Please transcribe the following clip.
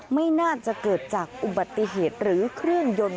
ไม่น่าจะเกิดจากอุบัติเหตุหรือเครื่องยนต์